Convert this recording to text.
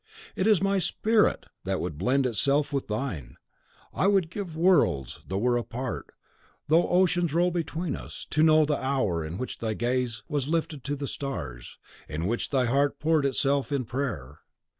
It is my SPIRIT that would blend itself with thine. I would give worlds, though we were apart, though oceans rolled between us, to know the hour in which thy gaze was lifted to the stars, in which thy heart poured itself in prayer.